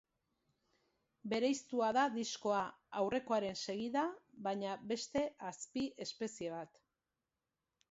Bereiztua da diskoa, aurrekoaren segida, baina beste azpi-espezie bat.